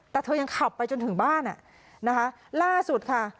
แต่เธอยังขับไปจนถึงบ้านอ่ะนะคะล่าสุดค่ะ